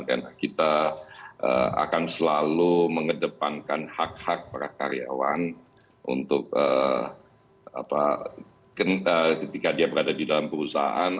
karena kita akan selalu mengedepankan hak hak para karyawan untuk ketika dia berada di dalam perusahaan